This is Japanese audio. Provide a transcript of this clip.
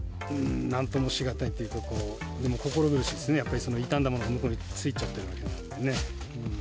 なんともし難いというというか、でも心苦しいですね、傷んだものを向こうに着いちゃってるわけだからね。